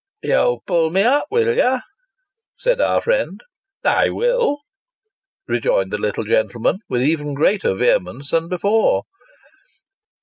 " You'll pull me up, will you ?" said our friend. " I will," rejoined the little gentleman, with even greater vehemence than before.